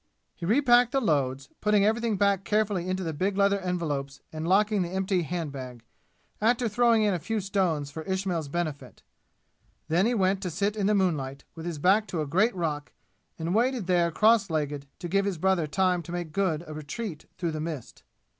He repacked the loads, putting everything back carefully into the big leather envelopes and locking the empty hand bag, after throwing in a few stones for Ismail's benefit. Then he went to sit in the moonlight, with his back to a great rock and waited there cross legged to give his brother time to make good a retreat through the mist.